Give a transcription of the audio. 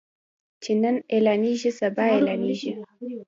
چې نن اعلانيږي سبا اعلانيږي.